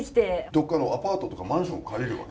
どっかのアパートとかマンション借りるわけ？